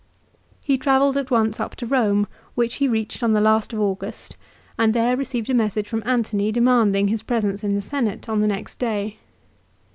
He travelled at once up to Rome which he reached on the last of August, and there received a message from Antony demanding his presence in the Senate on the next day.